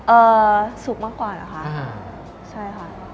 เอ่อสุกมากกว่าเหรอคะใช่ค่ะ